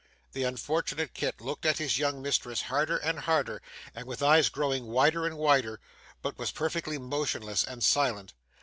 The unfortunate Kit looked at his young mistress harder and harder, and with eyes growing wider and wider, but was perfectly motionless and silent.